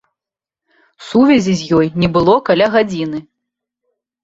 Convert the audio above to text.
Сувязі з ёй не было каля гадзіны.